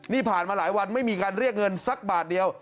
นี่ผ่านมาหลายวันไม่มีการเรียกเงินสักบาทเดียว